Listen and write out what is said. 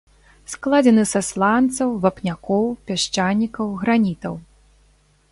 Складзены са сланцаў, вапнякоў, пясчанікаў, гранітаў.